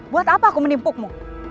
buat apa aku menimpukmu